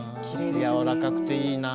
やわらかくていいなぁ。